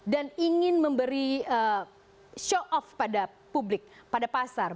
dan ingin memberi show off pada publik pada pasar